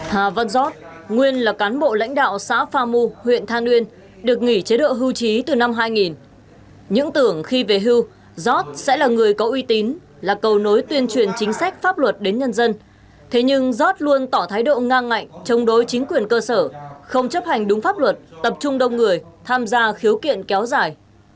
hà văn giót nguyên là cán bộ lãnh đạo xã phà mu huyện thàn uyên được nghỉ chế độ hưu trí từ năm hai nghìn những tưởng khi về hưu giót sẽ là người có uy tín là cầu nối tuyên truyền chính sách pháp luật đến nhân dân thế nhưng giót luôn tỏ thái độ ngang ngạnh chống đối chính quyền cơ sở không chấp hành đúng pháp luật tập trung đông người tham gia khiếu kiện kéo dài